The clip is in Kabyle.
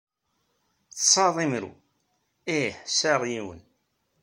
Tesɛiḍ imru? Ih, sɛiɣ yiwen.